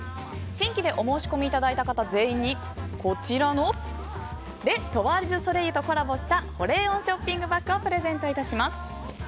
新規でお申し込みいただいた方全員に、こちらのレ・トワール・デュ・ソレイユとコラボした保冷温ショッピングバッグをプレゼント致します。